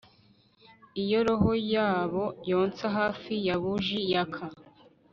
Iyo roho yabo yonsa hafi ya buji yaka